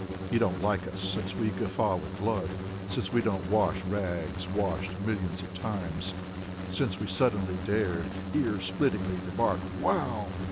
You don't like us, since we guffaw with blood. Since we don't wash rags washed millions of times, Since we suddenly dared, Ear splittingly, to bark: Wow!